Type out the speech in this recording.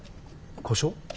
故障？